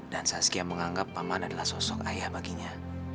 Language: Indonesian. dan saskia menganggap paman adalah sosok ayah baginya